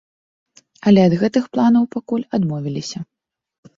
Але ад гэтых планаў пакуль адмовіліся.